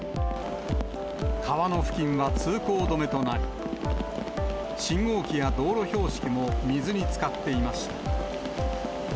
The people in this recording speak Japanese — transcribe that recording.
川の付近は通行止めとなり、信号機や道路標識も水につかっていました。